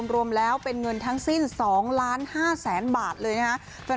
รวมแล้วเป็นเงินทั้งสิ้น๒ล้าน๕แสนบาทเลยนะคะ